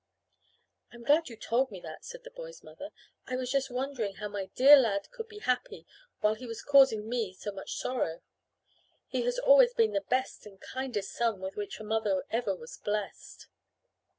"I'm glad you told me that," said the boy's mother. "I was just wondering how my dear lad could be happy while he was causing me so much sorrow. He has always been the best and kindest son with which a mother ever was blessed."